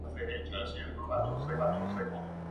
Esta promesa, marcaría a Zhuge Liang por el resto de su vida.